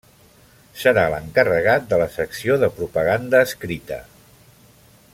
Serà l’encarregat de la secció de propaganda escrita.